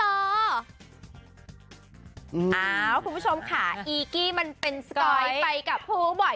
โอ้วคุณผู้ชมค่ะอิกิมันเป็นสกอยไปกับภูป่า